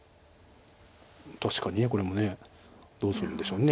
確かにこれもどうするんでしょう。